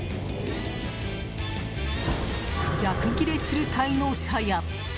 逆ギレする滞納者や。